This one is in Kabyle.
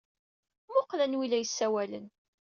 Mmuqqel anwa ay la yessawalen.